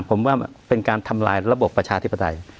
ผมว่าเป็นการทำลายระบบประชาธิปไตย